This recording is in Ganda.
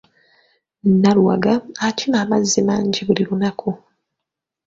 Naluwaga akima amazzi mangi buli lunaaku.